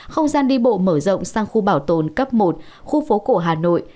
không gian đi bộ mở rộng sang khu bảo tồn cấp một khu phố cổ hà nội